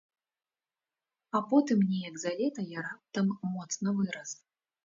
А потым неяк за лета я раптам моцна вырас.